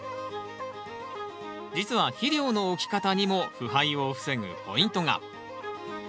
実は肥料の置き方にも腐敗を防ぐポイントが。